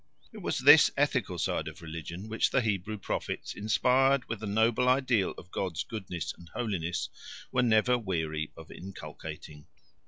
It was this ethical side of religion which the Hebrew prophets, inspired with a noble ideal of God's goodness and holiness, were never weary of inculcating.